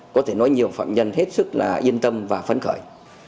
có thể nói nhiều phạm nhân hết sức là yên tâm và phấn khởi